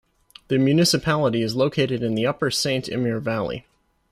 The municipality is located in the upper Saint-Imier valley.